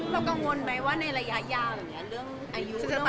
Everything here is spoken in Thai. เรากังวลไหมว่าในระยะยาวแบบนี้